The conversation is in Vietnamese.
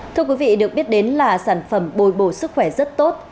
thưa quý vị được biết đến là sản phẩm bồi bổ sức khỏe rất tốt